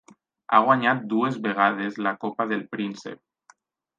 Ha guanyat dues vegades la Copa del Príncep.